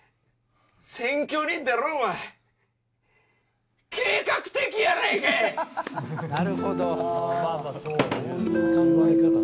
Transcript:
選挙に出るんは、計画的やないかい。